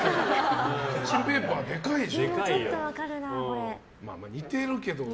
キッチンペーパーはでかいし。